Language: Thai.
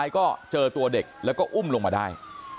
ก็เจอตัวเด็กแล้วก็อุ้มลงมาได้